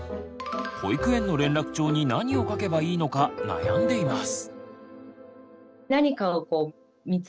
保育園の連絡帳に何を書けばいいのか悩んでいます。